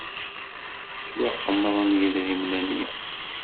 Ttwaqemmren yidrimen-nni.